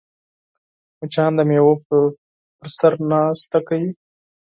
مچان د میوو په سر ناسته کوي